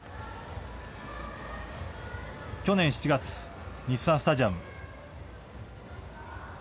去年７月、日産スタジアム。